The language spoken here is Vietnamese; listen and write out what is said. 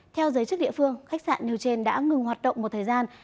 theo giới chức địa phương khách sạn rio grande đã ngừng hoạt động một thời gian